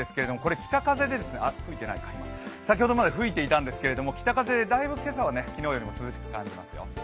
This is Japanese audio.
風が先ほどまで吹いていたんですけど、北風でだいぶ今朝は昨日よりも涼しく感じますよ。